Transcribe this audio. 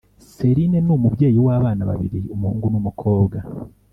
Celine n’umubyeyi wabana babiri umuhungu n’umukobwa